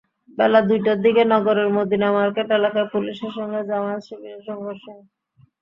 বেলা দুইটার দিকে নগরের মদিনা মার্কেট এলাকায় পুলিশের সঙ্গে জামায়াত-শিবিরের সংঘর্ষ হয়।